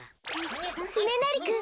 つねなりくん